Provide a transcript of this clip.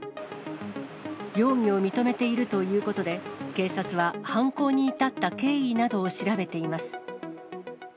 容疑を認めているということで、警察は犯行に至った経緯などを調べています。